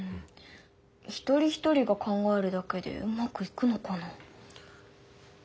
一人一人が考えるだけでうまくいくのかな。